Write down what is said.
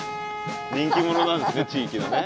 人気者なんですね地域のね。